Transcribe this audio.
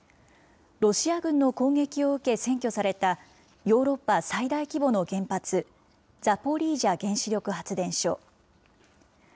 ロシア軍の攻撃を受け占拠されたヨーロッパ最大規模の原発、ザポリージャ原子力発電所。